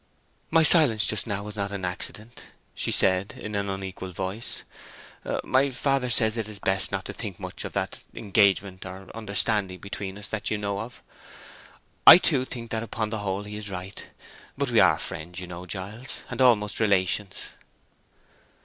"My silence just now was not accident," she said, in an unequal voice. "My father says it is best not to think too much of that—engagement, or understanding between us, that you know of. I, too, think that upon the whole he is right. But we are friends, you know, Giles, and almost relations."